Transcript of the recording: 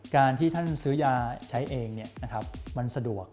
การที่ท่านซื้อยาใช้เองมันสะดวก